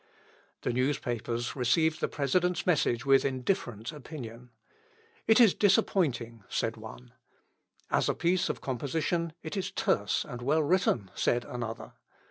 The newspapers received the President's message with indifferent opinion. "It is disappointing," said one. "As a piece of composition it is terse and well written," said another.